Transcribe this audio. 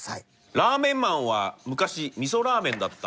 ラーメンマンは昔みそラーメンだった。